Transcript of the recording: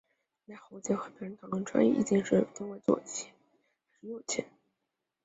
行台侯景和别人讨论穿衣衣襟之法是襟为左前还是右前。